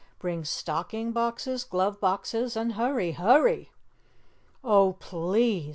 Bring stocking boxes, glove boxes, and hurry! HURRY!" "Oh, PLEASE!"